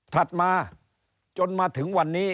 ถัดมาจนมาถึงวันนี้